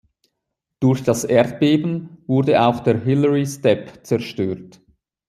Durch das Erdbeben wurde auch der Hillary Step zerstört.